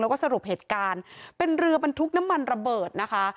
แล้วก็สรุปเหตุการณ์เป็นเรือบรรทุกน้ำมันระเบิดนะคะ